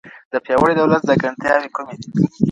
د پياوړي دولت ځانګړتياوې کومې دي؟